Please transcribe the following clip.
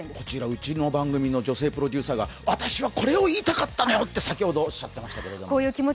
うちの番組の女性プロデューサーが私はこれを言いたかったの！と先ほどおっしゃっていましたけど。